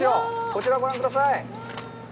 こちらをご覧ください。